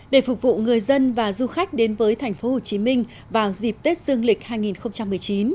để phục vụ người dân và du khách đến với thành phố hồ chí minh vào dịp tết dương lịch hai nghìn một mươi chín